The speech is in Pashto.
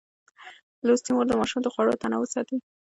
لوستې مور د ماشوم د خوړو تنوع ساتي.